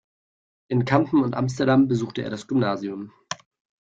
In Kampen und Amsterdam besuchte er das Gymnasium.